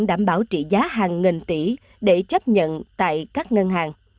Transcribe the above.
đảm bảo trị giá hàng nghìn tỷ để chấp nhận tại các ngân hàng